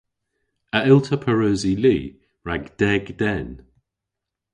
A yll'ta pareusi li rag deg den?